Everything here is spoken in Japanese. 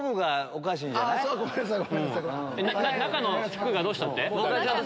中の服がどうしたって？